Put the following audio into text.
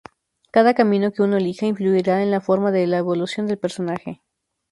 Cada camino que uno elija influirá en la forma de la evolución del personaje.